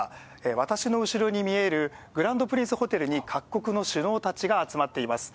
私の後ろに見えるグランドプリンスホテルに各国の首脳たちが集まっています。